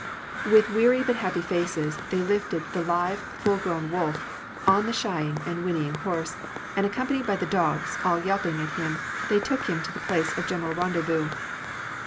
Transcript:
With weary but happy faces, they lifted the live, full grown wolf on the shying and whinnying horse ; and, accompanied by the dogs, all yelping at him, they took him to the place of general rendezvous.